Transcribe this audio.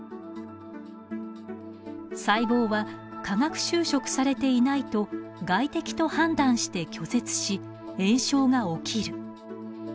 細胞は化学修飾されていないと外敵と判断して拒絶し炎症が起きる。